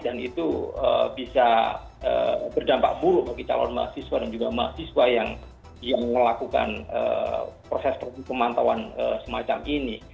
dan itu bisa berdampak buruk bagi calon mahasiswa dan juga mahasiswa yang melakukan proses pemantauan semacam ini